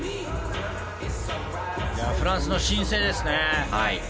フランスの新星ですね。